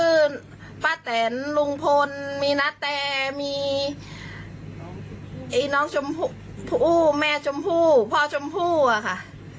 คือป้าแตนลุงพลมีนาแตมีไอ้น้องชมพู่ผู้แม่ชมพู่พ่อชมพู่อะค่ะ